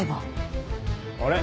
あれ？